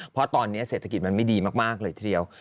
เพราะตอนนี้เศรษฐกิจมันไม่ดีมากเลยทีเดียว